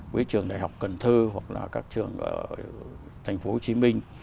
với trường đại học cần thơ hoặc là các trường ở thành phố hồ chí minh